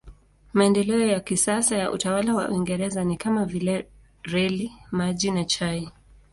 Maendeleo ya kisasa ya utawala wa Uingereza ni kama vile reli, maji na chai.